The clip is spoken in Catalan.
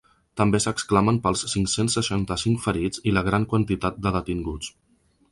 També s’exclamen pels cinc-cents seixanta-cinc ferits i la gran quantitat de detinguts.